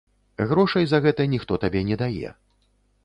Грошай за гэта ніхто табе не дае.